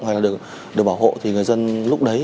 hay là được bảo hộ thì người dân lúc đấy